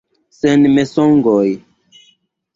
Sen mensogoj!